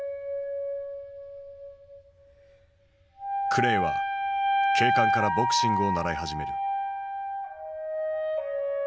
クレイは警官からボクシングを習い始める。